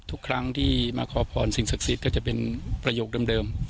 ทุกครั้งที่มาขอพรสิ่งศักดิ์สิทธิ์ก็จะเป็นประโยคเดิม